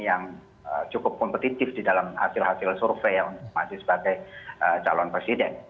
yang cukup kompetitif di dalam hasil hasil survei yang masih sebagai calon presiden